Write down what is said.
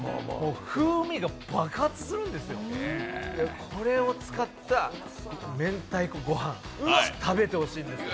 風味が爆発するんですよ、これを使った明太子ご飯食べてほしいんですよ。